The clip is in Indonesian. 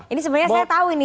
ini sebenarnya saya tahu ini